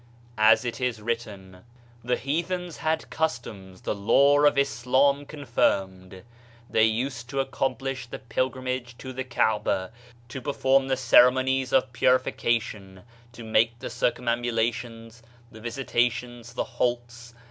As it is written: "The heathens had customs the Law of Islam confirmed : they used to accom plish the pilgrimage to the Kaaba, to perform the ceremonies of purification, to make the circum ambulations, the visitations, the halts